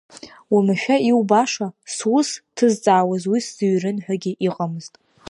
Уамашәа иубаша, сус ҭызҵаауаз уи сзыҩрын ҳәагьы иҟамызт.